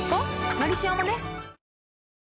「のりしお」もね